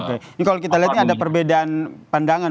oke ini kalau kita lihat ini ada perbedaan pandangan